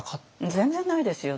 全然ないですよ。